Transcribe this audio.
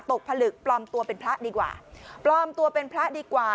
ผลึกปลอมตัวเป็นพระดีกว่าปลอมตัวเป็นพระดีกว่า